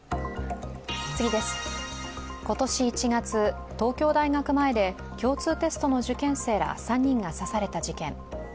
今年１月、東京大学前で共通テストの受験生ら３人が刺された事件。